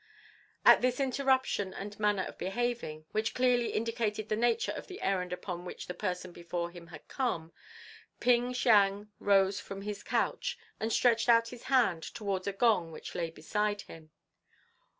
At this interruption and manner of behaving, which clearly indicated the nature of the errand upon which the person before him had come, Ping Siang rose from his couch and stretched out his hand towards a gong which lay beside him.